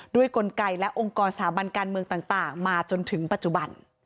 กลไกและองค์กรสถาบันการเมืองต่างมาจนถึงปัจจุบัน